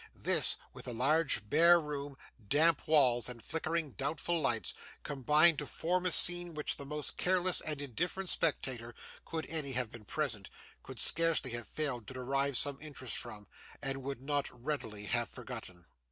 This, with the large bare room, damp walls, and flickering doubtful light, combined to form a scene which the most careless and indifferent spectator (could any have been present) could scarcely have failed to derive some interest from, and would not readily have forgotten.